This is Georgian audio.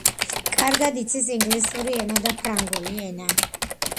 კარგად იცის ინგლისური და ფრანგული ენა.